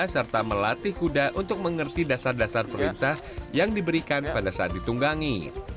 serta melatih kuda untuk mengerti dasar dasar perintah yang diberikan pada saat ditunggangi